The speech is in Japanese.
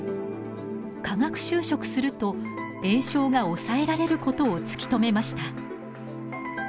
化学修飾すると炎症が抑えられることを突き止めました。